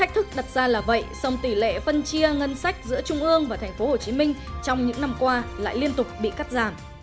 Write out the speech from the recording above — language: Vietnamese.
tỷ lệ phân chia ngân sách giữa trung ương và thành phố hồ chí minh trong những năm qua lại liên tục bị cắt giảm